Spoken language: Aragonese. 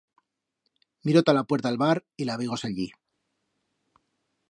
Miro ta la puerta el bar y la veigo sallir.